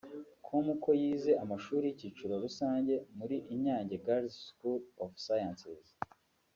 com ko yize amashuri y’Icyiciro Rusange muri Inyange Girls School of Sciences